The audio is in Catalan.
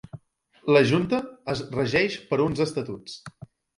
La Junta es regeix per uns estatuts.